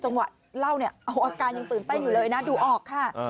เล่าเนี่ยอาการยังตื่นเต้นอยู่เลยนะดูออกค่ะ